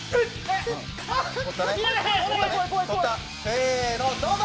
せーのどうぞ！